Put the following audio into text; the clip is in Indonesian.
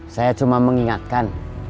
saya cuma mengingatkan